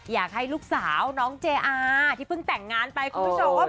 อยากให้ลูกสาวน้องเจอาที่เพิ่งแต่งงานไปคุณผู้ชมว่า